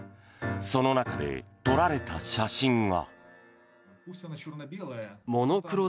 その中で撮られた写真が。